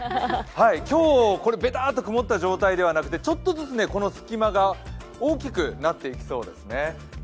今日、べたーっと曇った状態ではなくて、ちょっとずつこの隙間が大きくなっていきそうですね。